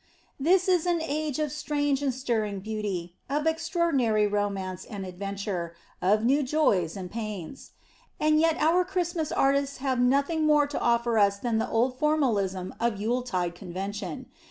This is an age of strange and stirring beauty, of extraordinary romance and adventure, of new joys and pains. And yet our Christmas artists have nothing more to offer us than the old formalism of Yuletide convention.